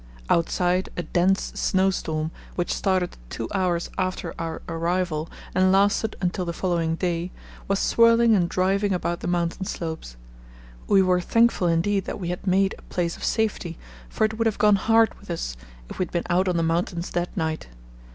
Outside a dense snow storm, which started two hours after our arrival and lasted until the following day, was swirling and driving about the mountain slopes. We were thankful indeed that we had made a place of safety, for it would have gone hard with us if we had been out on the mountains that night.